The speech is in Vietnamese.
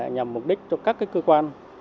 nhằm mục đích cho các cơ quan hành chính trên địa bàn